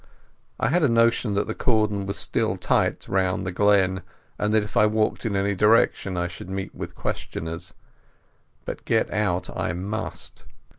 I had a notion that the cordon was still tight round the glen, and that if I walked in any direction I should meet with questioners. But get out I must.